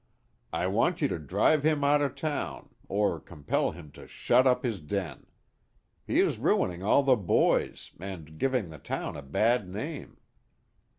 "I want you to drive him out of town, or compel him to shut up his den. He is ruining all the boys, and giving the town a bad name."